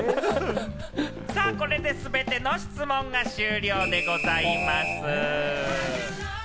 これで全ての質問が終了でございます。